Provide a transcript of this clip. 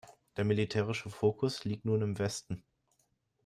Der militärische Fokus liegt nun im Westen.